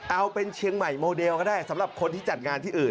เอาเป็นเชียงใหม่โมเดลก็ได้สำหรับคนที่จัดงานที่อื่น